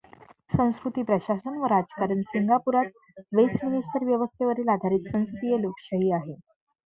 संस्कृती प्रशासन व राजकारण सिंगापुरात वेस्टमिन्स्टर व्यवस्थेवर आधारित संसदीय लोकशाही आहे.